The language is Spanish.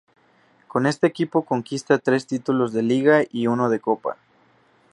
Con este equipo conquista tres títulos de Liga y uno de Copa.